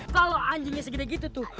kalau anjingnya segini gitu tuh